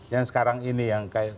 yang sekarang ini yang